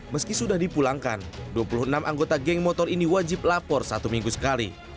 meski sudah dipulangkan dua puluh enam anggota geng motor ini wajib lapor satu minggu sekali